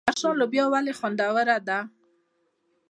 د بدخشان لوبیا ولې خوندوره ده؟